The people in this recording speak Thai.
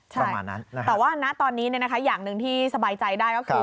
ใช่แต่ว่าณตอนนี้อย่างหนึ่งที่สบายใจได้ก็คือ